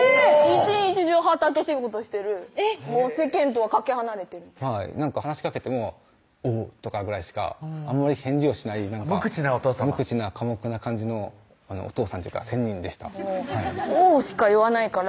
一日中畑仕事してる世間とはかけ離れてる何か話しかけても「おう」とかぐらいしかあんまり返事をしない無口なお父さま寡黙な感じのおとうさんというか仙人でした「おう」しか言わないから